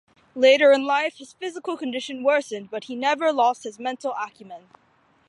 In later life, his physical condition worsened but he never lost his mental acumen.